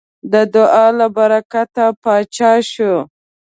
د دعا له برکته پاچا شو.